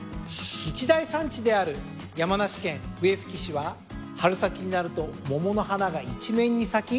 一大産地である山梨県笛吹市は春先になると桃の花が一面に咲き